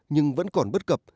nhưng vẫn còn bất cập